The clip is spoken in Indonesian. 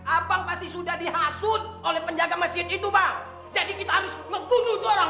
abang pasti sudah dihasut oleh penjaga mesin itu bang